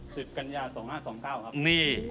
สิฟท์กัญญา๒๕๒๙ครับ